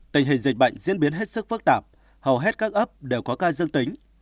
tình hình dịch bệnh diễn biến hết sức phức tạp hầu hết các ấp đều có ca dương tính